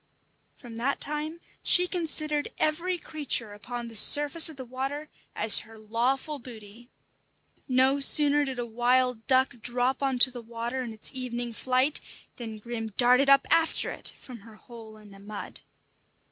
From that time she considered every creature upon the surface of the water as her lawful booty. No sooner did a wild duck drop on to the water in its evening flight, than Grim darted up after it from her hole in the mud.